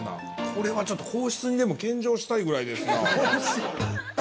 これはちょっと皇室にでも献上したいぐらいですな。